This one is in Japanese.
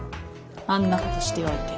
あんなことしておいて。